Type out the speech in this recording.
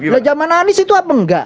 nah zaman anis itu apa nggak